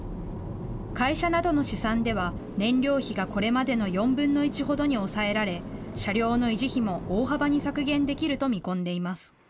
会社などの試算では、燃料費がこれまでの４分の１ほどに抑えられ、車両の維持費も大幅に削減できると見込んでいます。